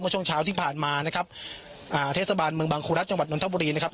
ช่วงเช้าที่ผ่านมานะครับอ่าเทศบาลเมืองบางครูรัฐจังหวัดนทบุรีนะครับ